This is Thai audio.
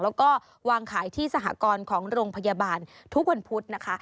แล้วก็วางขายที่สหกรณ์ของโรงพยาบาลทุกวันพุธนะคะ